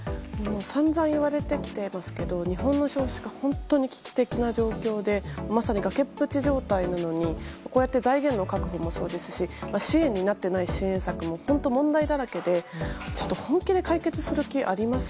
存在は言われていますが日本の少子化本当に危機的な状態でまさに崖っぷち状態なのに財源の確保もそうですし支援になっていない支援策も問題だらけで本気で解決する気あります？